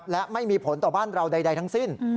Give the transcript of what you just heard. และไม่มีผลต่อบ้านเราใดทั้งสิ้น